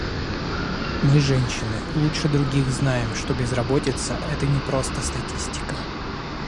Мы, женщины, лучше других знаем, что безработица — это не просто статистика.